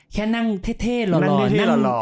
แค่นั่งเท่หล่อ